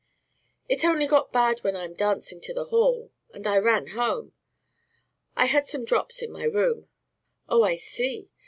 "It only got bad when I am dancing to the hall, and I ran home. I had some drops in my room." "Oh, I see.